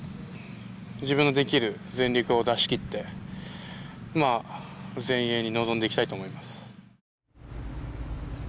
自分のできる全力を出し切って全英に臨んでいきたいと思います。